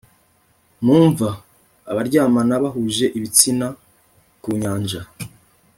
mu mva, abaryamana bahuje ibitsina, ku nyanja.